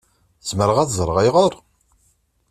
Zemreɣ ad ẓṛeɣ ayɣeṛ?